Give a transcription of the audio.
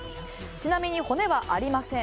ちなみに骨はありません。